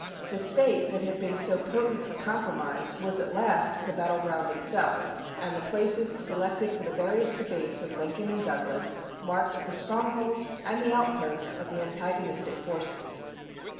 The State that had been so potent for compromise was at last the battle ground itself, and the places selected for the various debates of Lincoln and Douglas marked the strongholds and the outposts of the antagonistic forces.